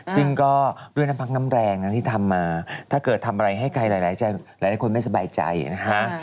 ซึ่งก็ด้วยน้ำพักน้ำแรงนะที่ทำมาถ้าเกิดทำอะไรให้ใครหลายคนไม่สบายใจนะฮะ